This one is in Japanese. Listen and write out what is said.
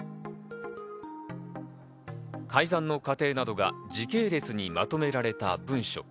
改ざんの過程などが時系列にまとめられた文書。